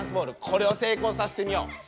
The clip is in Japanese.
これを成功させてみよう。